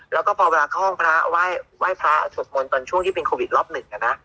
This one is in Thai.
แล้วก็พอเวลาเข้าห้องพระไหว้พระสวดมนต์ตอนช่วงที่เป็นโควิดรอบหนึ่งนะ